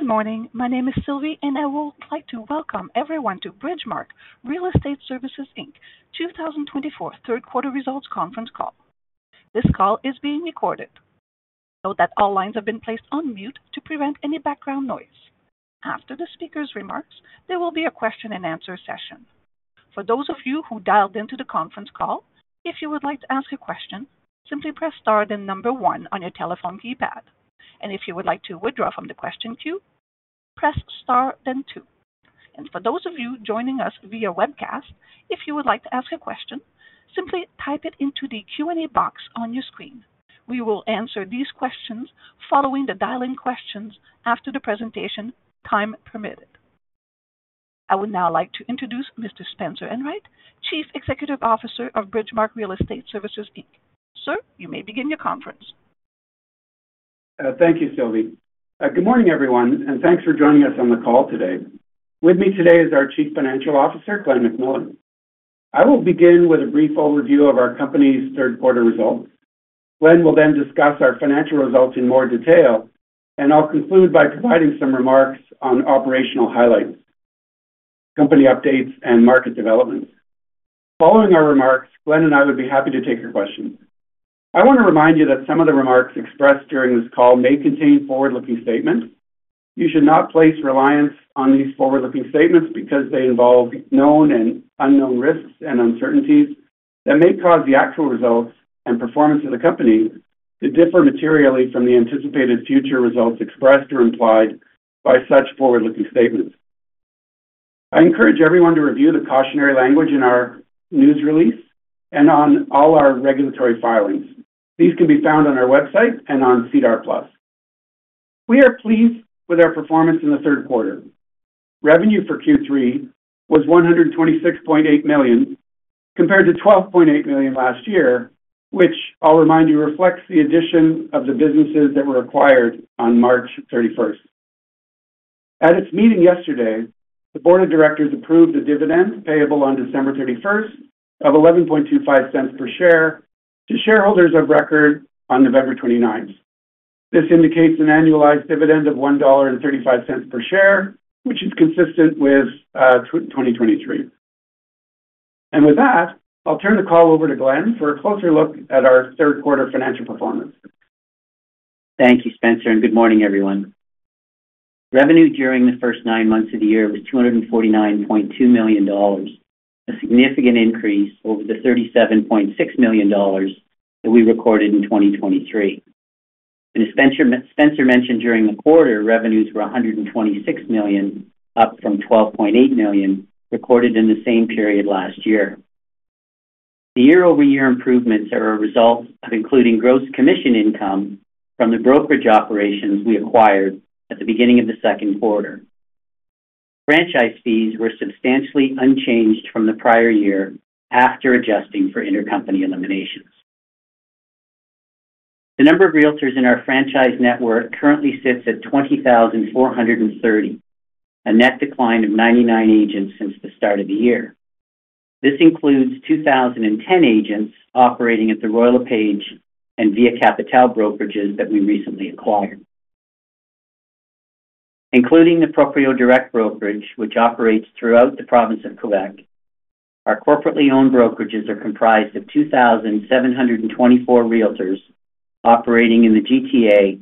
Good morning. My name is Sylvie, and I would like to welcome everyone to Bridgemarq Real Estate Services Inc. 2024 Q3 Results Conference Call. This call is being recorded. Note that all lines have been placed on mute to prevent any background noise. After the speaker's remarks, there will be a question-and-answer session. For those of you who dialed into the conference call, if you would like to ask a question, simply press star one on your telephone keypad. And if you would like to withdraw from the question queue, press star two. And for those of you joining us via webcast, if you would like to ask a question, simply type it into the Q&A box on your screen. We will answer these questions following the dial-in questions after the presentation time permitted. I would now like to introduce Mr. Spencer Enright, Chief Executive Officer of Bridgemarq Real Estate Services Inc. Sir, you may begin your conference. Thank you, Sylvie. Good morning, everyone, and thanks for joining us on the call today. With me today is our Chief Financial Officer, Glen McMillan. I will begin with a brief overview of our company's Q3 results. Glen will then discuss our financial results in more detail, and I'll conclude by providing some remarks on operational highlights, company updates, and market developments. Following our remarks, Glen and I would be happy to take your questions. I want to remind you that some of the remarks expressed during this call may contain forward-looking statements. You should not place reliance on these forward-looking statements because they involve known and unknown risks and uncertainties that may cause the actual results and performance of the company to differ materially from the anticipated future results expressed or implied by such forward-looking statements. I encourage everyone to review the cautionary language in our news release and on all our regulatory filings. These can be found on our website and on SEDAR+. We are pleased with our performance in the Q3. Revenue for Q3 was 126.8 million compared to 12.8 million last year, which, I'll remind you, reflects the addition of the businesses that were acquired on March 31st. At its meeting yesterday, the Board of Directors approved a dividend payable on December 31st of 11.25 per share to shareholders of record on November 29th. This indicates an annualized dividend of 1.35 dollar per share, which is consistent with 2023, and with that, I'll turn the call over to Glen for a closer look at our Q3 financial performance. Thank you, Spencer, and good morning, everyone. Revenue during the first nine months of the year was 249.2 million dollars, a significant increase over the 37.6 million dollars that we recorded in 2023. And as Spencer mentioned, during the quarter, revenues were 126 million, up from 12.8 million recorded in the same period last year. The year-over-year improvements are a result of including gross commission income from the brokerage operations we acquired at the beginning of the second quarter. Franchise fees were substantially unchanged from the prior year after adjusting for intercompany eliminations. The number of realtors in our franchise network currently sits at 20,430, a net decline of 99 agents since the start of the year. This includes 2,010 agents operating at the Royal LePage and Via Capitale brokerages that we recently acquired. Including the Proprio Direct brokerage, which operates throughout the province of Quebec, our corporately owned brokerages are comprised of 2,724 realtors operating in the GTA,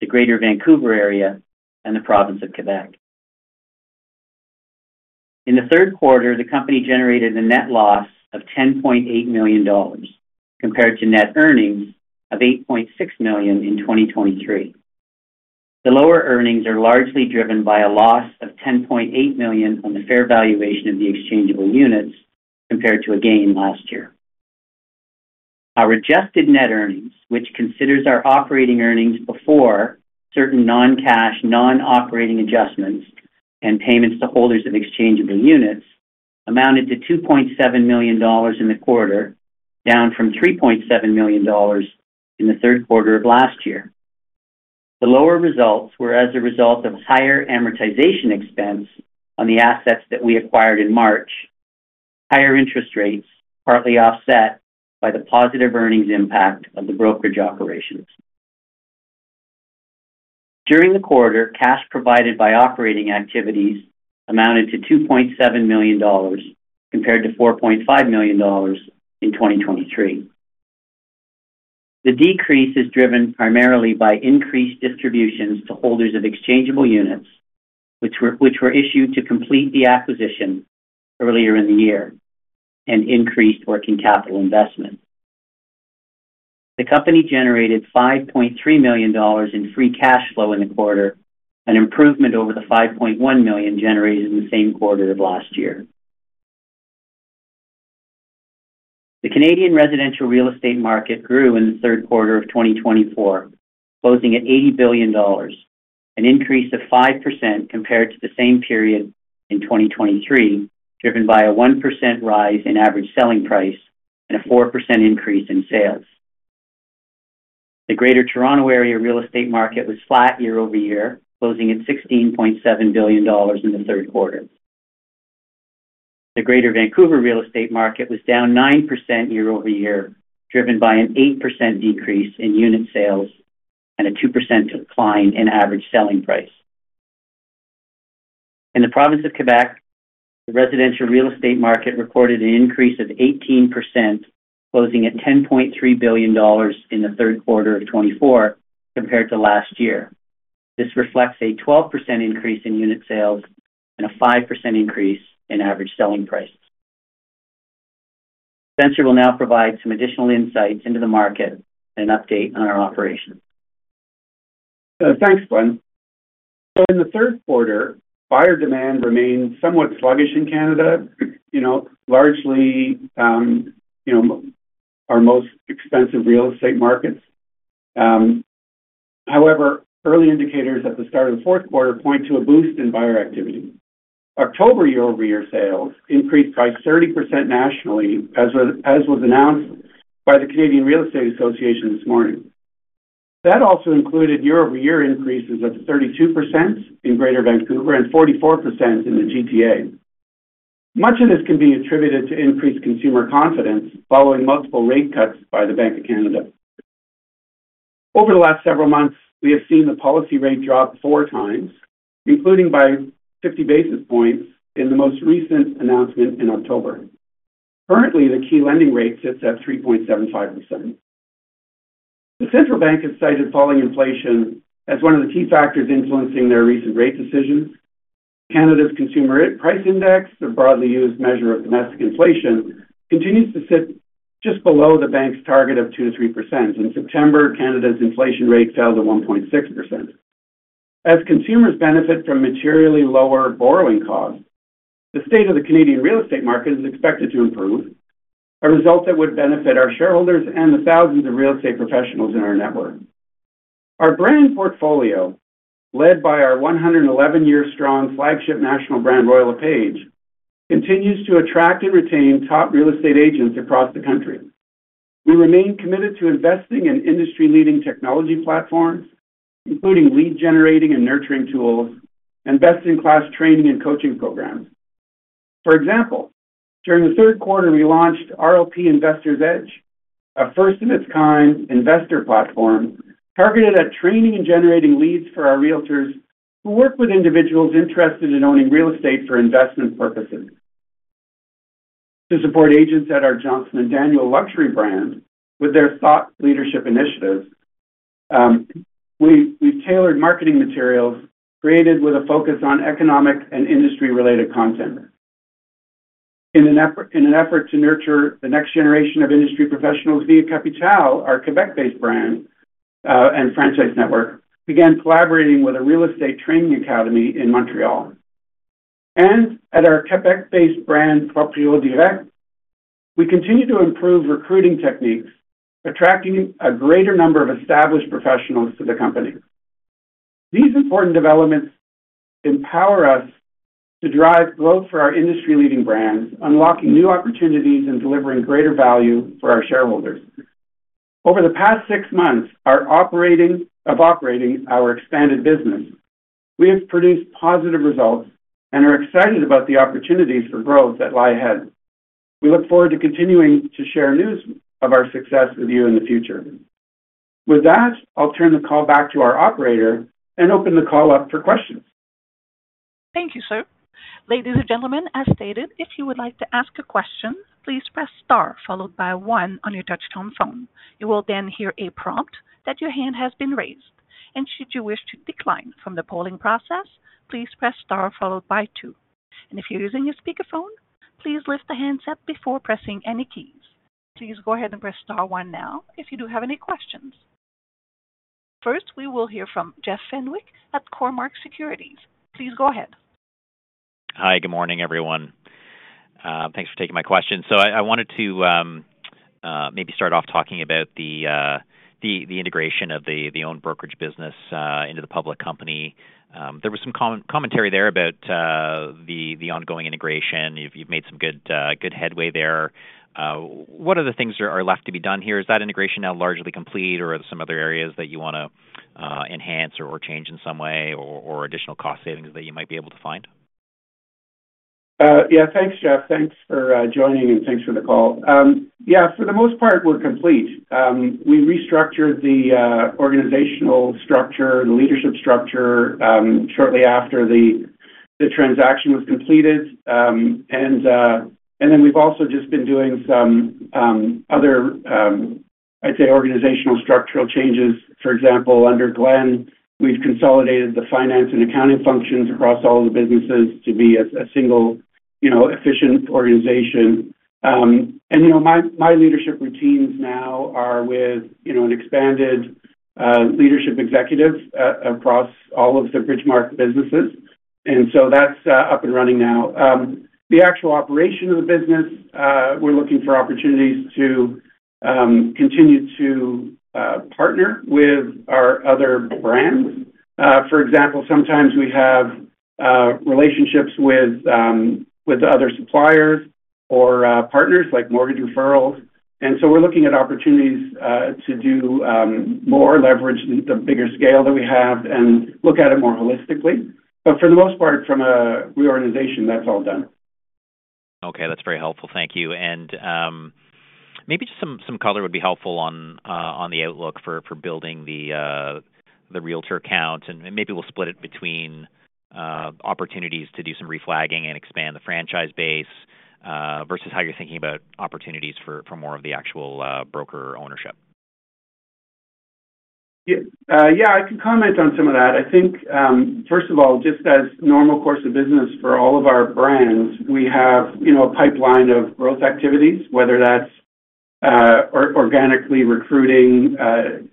the Greater Vancouver area, and the province of Quebec. In the third quarter, the company generated a net loss of 10.8 million dollars compared to net earnings of 8.6 million in 2023. The lower earnings are largely driven by a loss of 10.8 million on the fair valuation of the exchangeable units compared to a gain last year. Our adjusted net earnings, which considers our operating earnings before certain non-cash, non-operating adjustments and payments to holders of exchangeable units, amounted to 2.7 million dollars in the quarter, down from 3.7 million dollars in the third quarter of last year. The lower results were as a result of higher amortization expense on the assets that we acquired in March, higher interest rates partly offset by the positive earnings impact of the brokerage operations. During the quarter, cash provided by operating activities amounted to 2.7 million dollars compared to 4.5 million dollars in 2023. The decrease is driven primarily by increased distributions to holders of exchangeable units, which were issued to complete the acquisition earlier in the year, and increased working capital investment. The company generated 5.3 million dollars in free cash flow in the quarter, an improvement over the 5.1 million generated in the same quarter of last year. The Canadian residential real estate market grew in the third quarter of 2024, closing at 80 billion dollars, an increase of 5% compared to the same period in 2023, driven by a 1% rise in average selling price and a 4% increase in sales. The Greater Toronto Area real estate market was flat year-over-year, closing at 16.7 billion dollars in the third quarter. The Greater Vancouver real estate market was down 9% year-over-year, driven by an 8% decrease in unit sales and a 2% decline in average selling price. In the province of Quebec, the residential real estate market recorded an increase of 18%, closing at 10.3 billion dollars in the third quarter of 2024 compared to last year. This reflects a 12% increase in unit sales and a 5% increase in average selling prices. Spencer will now provide some additional insights into the market and an update on our operations. Thanks, Glen. So in the third quarter, buyer demand remained somewhat sluggish in Canada, largely our most expensive real estate markets. However, early indicators at the start of the fourth quarter point to a boost in buyer activity. October year-over-year sales increased by 30% nationally, as was announced by the Canadian Real Estate Association this morning. That also included year-over-year increases of 32% in Greater Vancouver and 44% in the GTA. Much of this can be attributed to increased consumer confidence following multiple rate cuts by the Bank of Canada. Over the last several months, we have seen the policy rate drop four times, including by 50 basis points in the most recent announcement in October. Currently, the key lending rate sits at 3.75%. The central bank has cited falling inflation as one of the key factors influencing their recent rate decisions. Canada's consumer price index, a broadly used measure of domestic inflation, continues to sit just below the bank's target of 2%-3%. In September, Canada's inflation rate fell to 1.6%. As consumers benefit from materially lower borrowing costs, the state of the Canadian real estate market is expected to improve, a result that would benefit our shareholders and the thousands of real estate professionals in our network. Our brand portfolio, led by our 111-year-strong flagship national brand, Royal LePage, continues to attract and retain top real estate agents across the country. We remain committed to investing in industry-leading technology platforms, including lead-generating and nurturing tools, and best-in-class training and coaching programs. For example, during the third quarter, we launched RLP Investors Edge, a first-of-its-kind investor platform targeted at training and generating leads for our realtors who work with individuals interested in owning real estate for investment purposes. To support agents at our Johnston & Daniel luxury brand with their thought leadership initiatives, we've tailored marketing materials created with a focus on economic and industry-related content. In an effort to nurture the next generation of industry professionals, Via Capitale, our Quebec-based brand and franchise network, began collaborating with a real estate training academy in Montreal, and at our Quebec-based brand, ProprioDirect, we continue to improve recruiting techniques, attracting a greater number of established professionals to the company. These important developments empower us to drive growth for our industry-leading brands, unlocking new opportunities and delivering greater value for our shareholders. Over the past six months of operating our expanded business, we have produced positive results and are excited about the opportunities for growth that lie ahead. We look forward to continuing to share news of our success with you in the future. With that, I'll turn the call back to our operator and open the call up for questions. Thank you, sir. Ladies and gentlemen, as stated, if you would like to ask a question, please press star one on your touch-tone phone. You will then hear a prompt that your hand has been raised. And should you wish to decline from the polling process, please press star two. And if you're using your speakerphone, please lift the handset up before pressing any keys. Please go ahead and press star one now if you do have any questions. First, we will hear from Jeff Fenwick at Cormark Securities. Please go ahead. Hi, good morning, everyone. Thanks for taking my question. So I wanted to maybe start off talking about the integration of the owned brokerage business into the public company. There was some commentary there about the ongoing integration. You've made some good headway there. What are the things that are left to be done here? Is that integration now largely complete, or are there some other areas that you want to enhance or change in some way, or additional cost savings that you might be able to find? Yeah, thanks, Jeff. Thanks for joining and thanks for the call. Yeah, for the most part, we're complete. We restructured the organizational structure, the leadership structure, shortly after the transaction was completed. Then we've also just been doing some other, I'd say, organizational structural changes. For example, under Glen, we've consolidated the finance and accounting functions across all of the businesses to be a single efficient organization. My leadership routines now are with an expanded leadership executive across all of the Bridgemarq businesses. So that's up and running now. The actual operation of the business, we're looking for opportunities to continue to partner with our other brands. For example, sometimes we have relationships with other suppliers or partners like mortgage referrals. So we're looking at opportunities to do more, leverage the bigger scale that we have, and look at it more holistically. But for the most part, from a reorganization, that's all done. Okay, that's very helpful. Thank you. And maybe just some color would be helpful on the outlook for building the realtor account. And maybe we'll split it between opportunities to do some reflagging and expand the franchise base versus how you're thinking about opportunities for more of the actual broker ownership. Yeah, I can comment on some of that. I think, first of all, just as normal course of business for all of our brands, we have a pipeline of growth activities, whether that's organically recruiting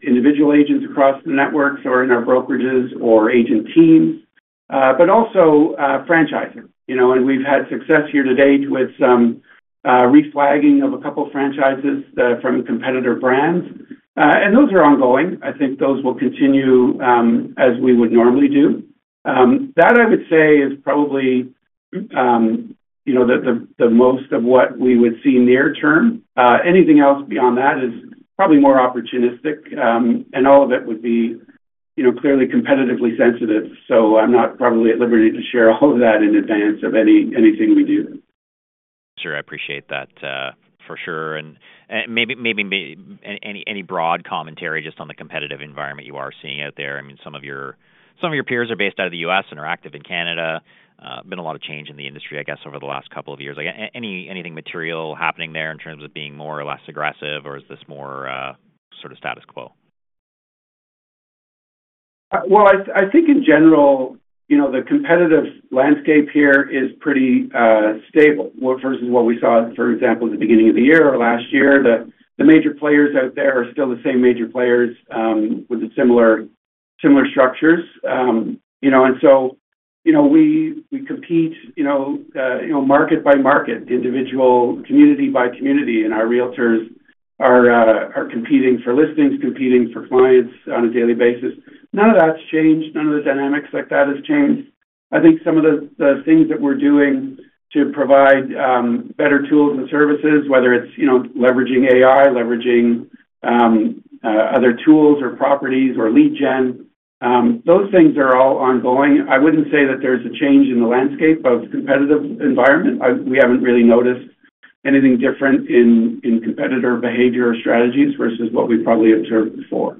individual agents across the networks or in our brokerages or agent teams, but also franchising, and we've had success here to date with some reflagging of a couple of franchises from competitor brands, and those are ongoing. I think those will continue as we would normally do. That, I would say, is probably the most of what we would see near term. Anything else beyond that is probably more opportunistic, and all of it would be clearly competitively sensitive, so I'm not probably at liberty to share all of that in advance of anything we do. Sure, I appreciate that for sure, and maybe any broad commentary just on the competitive environment you are seeing out there. I mean, some of your peers are based out of the U.S. and are active in Canada. Been a lot of change in the industry, I guess, over the last couple of years. Anything material happening there in terms of being more or less aggressive, or is this more sort of status quo? I think in general, the competitive landscape here is pretty stable versus what we saw, for example, at the beginning of the year or last year. The major players out there are still the same major players with similar structures. And so we compete market by market, individual community by community. And our realtors are competing for listings, competing for clients on a daily basis. None of that's changed. None of the dynamics like that have changed. I think some of the things that we're doing to provide better tools and services, whether it's leveraging AI, leveraging other tools or properties or lead gen, those things are all ongoing. I wouldn't say that there's a change in the landscape of competitive environment. We haven't really noticed anything different in competitor behavior or strategies versus what we probably observed before.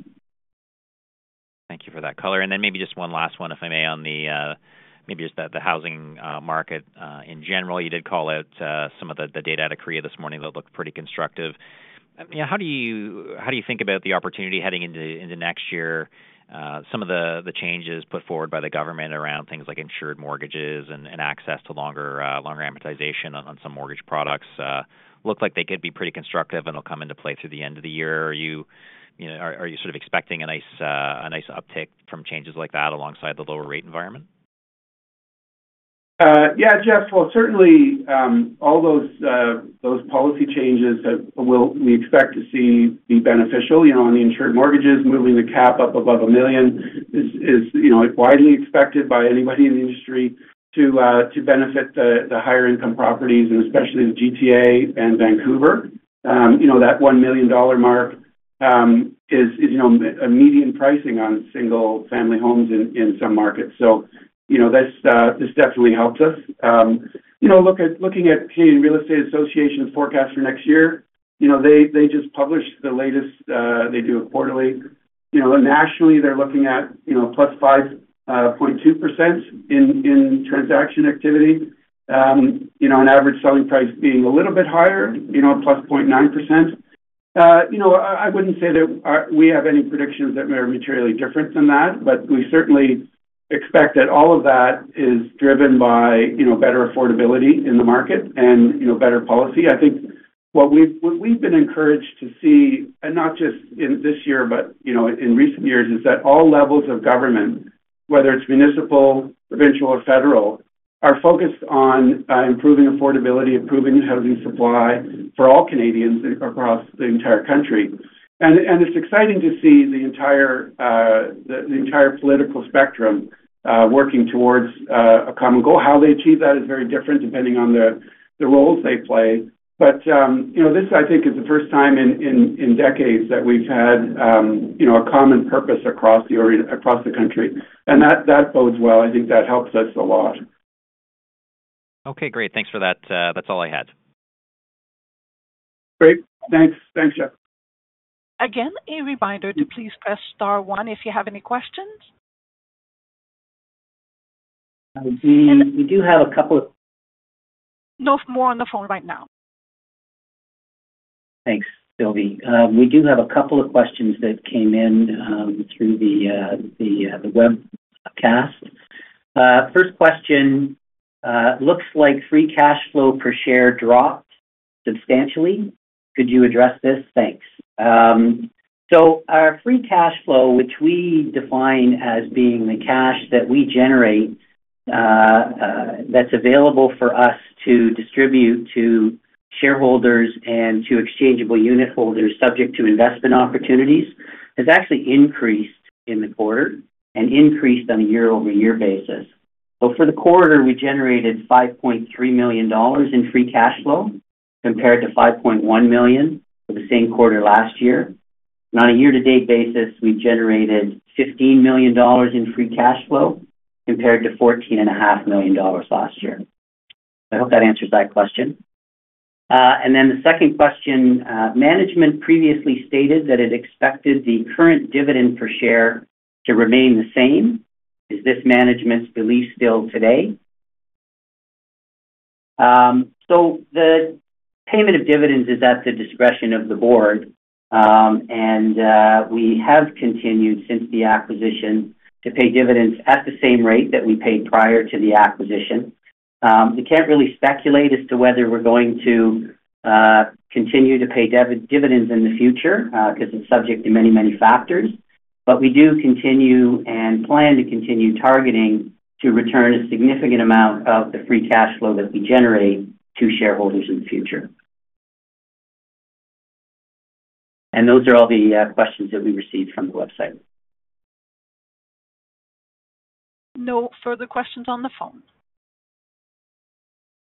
Thank you for that color. And then maybe just one last one, if I may, on maybe just the housing market in general. You did call out some of the data out of CREA this morning that looked pretty constructive. How do you think about the opportunity heading into next year? Some of the changes put forward by the government around things like insured mortgages and access to longer amortization on some mortgage products look like they could be pretty constructive and will come into play through the end of the year. Are you sort of expecting a nice uptick from changes like that alongside the lower rate environment? Yeah, Jeff, well, certainly all those policy changes that we expect to see be beneficial. On the insured mortgages, moving the cap up above a million is widely expected by anybody in the industry to benefit the higher-income properties, and especially the GTA and Vancouver. That $1 million mark is a median pricing on single-family homes in some markets. So this definitely helps us. Looking at Canadian Real Estate Association's forecast for next year, they just published the latest they do it quarterly. Nationally, they're looking at plus 5.2% in transaction activity, an average selling price being a little bit higher, plus 0.9%. I wouldn't say that we have any predictions that are materially different than that, but we certainly expect that all of that is driven by better affordability in the market and better policy. I think what we've been encouraged to see, and not just in this year, but in recent years, is that all levels of government, whether it's municipal, provincial, or federal, are focused on improving affordability, improving housing supply for all Canadians across the entire country. And it's exciting to see the entire political spectrum working towards a common goal. How they achieve that is very different depending on the roles they play. But this, I think, is the first time in decades that we've had a common purpose across the country. And that bodes well. I think that helps us a lot. Okay, great. Thanks for that. That's all I had. Great. Thanks. Thanks, Jeff. Again, a reminder to please press star one if you have any questions. We do have a couple of. No more on the phone right now. Thanks, Sylvie. We do have a couple of questions that came in through the webcast. First question looks like free cash flow per share dropped substantially. Could you address this? Thanks. So our free cash flow, which we define as being the cash that we generate that's available for us to distribute to shareholders and to exchangeable unit holders subject to investment opportunities, has actually increased in the quarter and increased on a year-over-year basis. So for the quarter, we generated 5.3 million dollars in free cash flow compared to 5.1 million for the same quarter last year. On a year-to-date basis, we generated 15 million dollars in free cash flow compared to 14.5 million last year. I hope that answers that question. And then the second question, management previously stated that it expected the current dividend per share to remain the same. Is this management's belief still today? So the payment of dividends is at the discretion of the board. And we have continued since the acquisition to pay dividends at the same rate that we paid prior to the acquisition. We can't really speculate as to whether we're going to continue to pay dividends in the future because it's subject to many, many factors. But we do continue and plan to continue targeting to return a significant amount of the free cash flow that we generate to shareholders in the future. And those are all the questions that we received from the website. No further questions on the phone.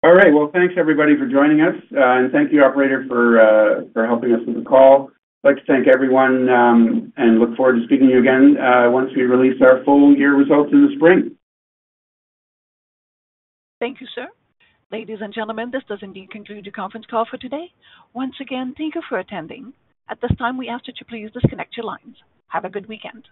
All right. Thanks, everybody, for joining us. Thank you, operator, for helping us with the call. I'd like to thank everyone and look forward to speaking to you again once we release our full year results in the spring. Thank you, sir. Ladies and gentlemen, this does indeed conclude your conference call for today. Once again, thank you for attending. At this time, we ask that you please disconnect your lines. Have a good weekend.